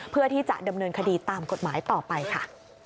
เพื่อที่จะดำเนินคดีตามกฎหมายต่อไปค่ะ